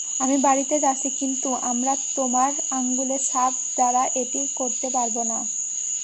আমি বাড়িতে যাচ্ছি কিন্তু আমরা তোমার আঙ্গুলের ছাপ ছাড়া এটি করতে পারব না।